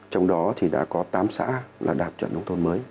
trong đó đã có tám xã đạt chuẩn nông thôn mới